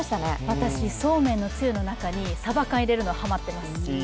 私、そうめんのつゆの中にさば缶入れるのハマってます。